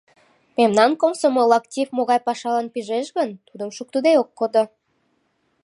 Мемнан комсомол актив могай пашалан пижеш гын, тудым шуктыде ок кодо.